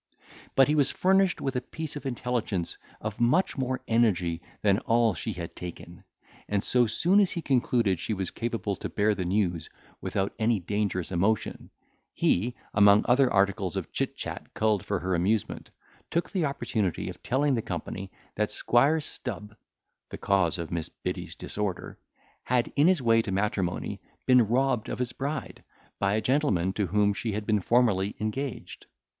But he was furnished with a piece of intelligence, of much more energy than all she had taken, and so soon as he concluded she was capable to bear the news without any dangerous emotion, he, among other articles of chit chat culled for her amusement, took the opportunity of telling the company, that Squire Stub (the cause of Miss Biddy's disorder) had, in his way to matrimony, been robbed of his bride, by a gentleman to whom she had been formerly engaged.